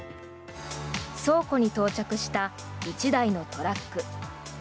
倉庫に到着した１台のトラック。